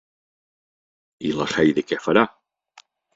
I la Heidi què farà?